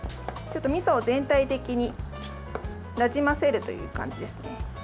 みそを全体的になじませるという感じですね。